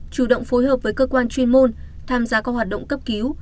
chủ động phối hợp với cơ quan chuyên môn tham gia các hoạt động cấp cứu